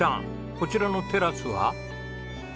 こちらのテラスは？